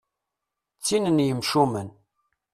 D tin n yemcumen.